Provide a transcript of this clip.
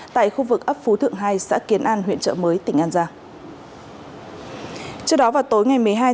tại khu vực ấp phú thượng hai xã kiến an huyện trợ mới tỉnh an giang